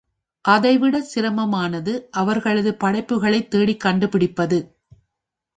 அதைவிடச் சிரமமானது அவர்களது படைப்புக்களைத் தேடிக் கண்டுபிடிப்பது.